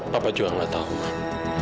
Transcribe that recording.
papa juga nggak tahu pak